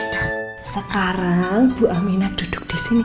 dan sekarang bu aminah duduk disini